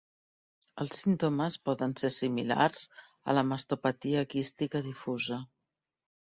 Els símptomes poden ser similars a la mastopatia quística difusa.